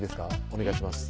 お願いします